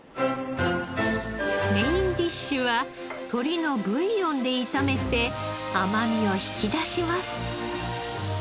メインディッシュは鶏のブイヨンで炒めて甘みを引き出します。